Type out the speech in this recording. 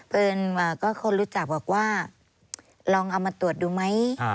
เอิญก็คนรู้จักบอกว่าลองเอามาตรวจดูไหม